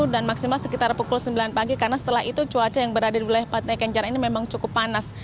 dan maksimal sekitar pukul sembilan pagi karena setelah itu cuaca yang berada di wilayah patna kenjaran ini memang cukup panas